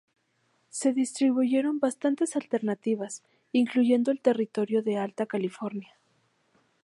Se discutieron bastantes alternativas, incluyendo el territorio de Alta California.